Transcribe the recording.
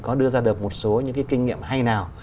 có đưa ra được một số kinh nghiệm hay nào